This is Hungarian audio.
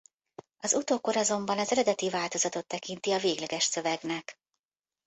Az utókor azonban az eredeti változatot tekinti a végleges szövegnek.